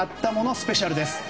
スペシャルです。